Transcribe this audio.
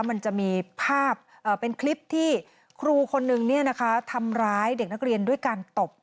มันจะมีภาพเป็นคลิปที่ครูคนนึงทำร้ายเด็กนักเรียนด้วยการตบ